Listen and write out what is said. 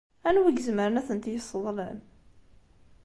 Anwa i izemren ad tent-yesseḍlem?